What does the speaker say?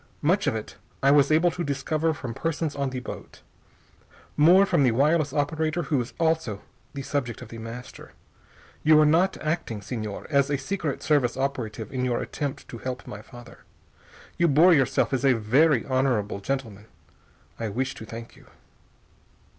Much of it I was able to discover from persons on the boat. More, from the wireless operator who is also the subject of The Master. You were not acting, Señor, as a secret service operative in your attempt to help my father. You bore yourself as a very honorable gentleman. I wish to thank you."